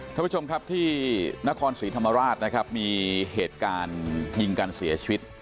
ท่านผู้ชมครับที่นครศรีธรรมราชนะครับมีเหตุการณ์ยิงกันเสียชีวิต